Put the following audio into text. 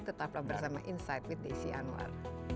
tetaplah bersama insight with desi anwar